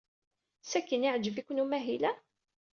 Sakkin yeɛjeb-iken umahil-a?